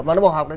và nó bỏ học đấy